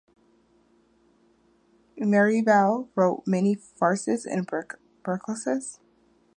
Merivale wrote many farces and burlesques.